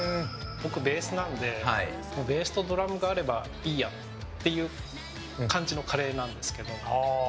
僕、ベースなのでベースとドラムがあればいいやっていう感じのカレーなんですけど。